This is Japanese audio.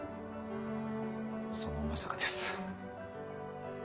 そのまさかです